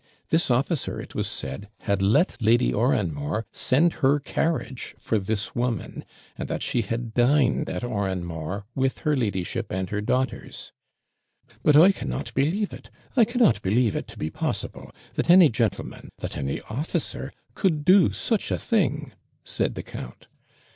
This officer, it was said, had let Lady Oranmore send her carriage for this woman; and that she had dined at Oranmore with her ladyship and her daughters. [Fact.] 'But I cannot believe it! I cannot believe it to be possible, that any gentleman, that any officer, could do such a thing!' said the count.